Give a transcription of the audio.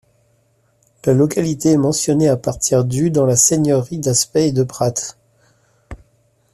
La localité est mentionnée à partir du dans la seigneurie d'Aspet et de Prat.